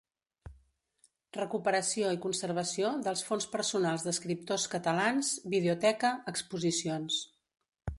Recuperació i conservació dels fons personals d'escriptors catalans, videoteca, exposicions.